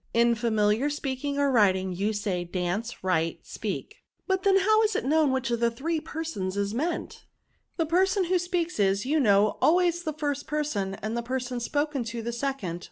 In familiar speaking or writings you say^ da/nee^ write, 9peahr But then how is it known which of the three persons is meant ?"*' The person who speaks is, you know, always the first person, and the person spoken to the second.